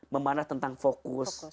memanah tentang fokus